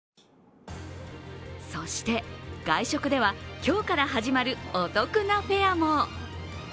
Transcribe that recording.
そして、外食では今日から始まるお得なフェアも。